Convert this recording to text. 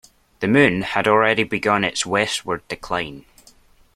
The moon had already begun its westward decline.